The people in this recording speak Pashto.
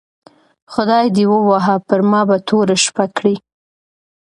خدای دي ووهه پر ما به توره شپه کړې